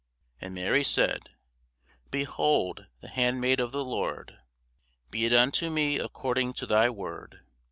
And Mary said, Behold the handmaid of the Lord; be it unto me according to thy word.